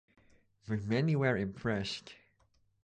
But many were impressed.